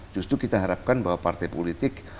justru kita harapkan bahwa partai politik